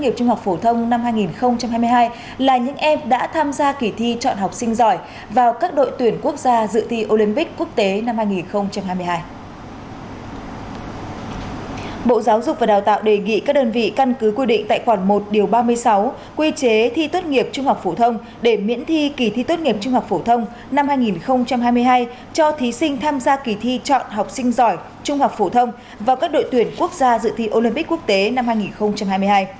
bộ giáo dục và đào tạo đề nghị các đơn vị căn cứ quy định tại khoảng một ba mươi sáu quy chế thi tuất nghiệp trung học phổ thông để miễn thi kỳ thi tuất nghiệp trung học phổ thông năm hai nghìn hai mươi hai cho thí sinh tham gia kỳ thi chọn học sinh giỏi trung học phổ thông vào các đội tuyển quốc gia dự thi olympic quốc tế năm hai nghìn hai mươi hai